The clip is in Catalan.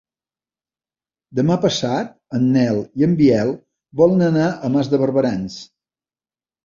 Demà passat en Nel i en Biel volen anar a Mas de Barberans.